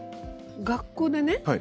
学校でね